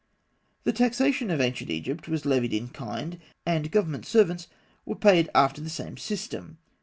] The taxation of ancient Egypt was levied in kind, and government servants were paid after the same system.